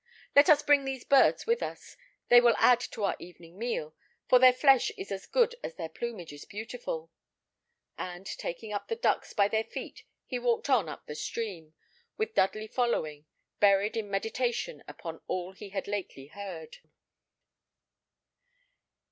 Let us bring these birds with us; they will add to our evening meal, for their flesh is as good as their plumage is beautiful;" and taking up the ducks by the feet, he walked on up the stream, with Dudley following, buried in meditation upon all he had lately heard.